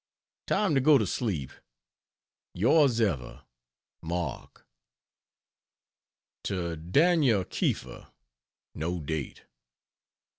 ] Time to go to sleep. Yours ever, MARK. To Daniel Kiefer: [No date.